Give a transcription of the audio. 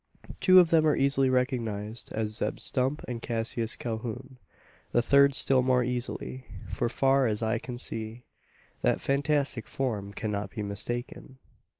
Two of them are easily recognised, as Zeb Stump and Cassius Calhoun. The third still more easily: for far as eye can see, that fantastic form cannot be mistaken.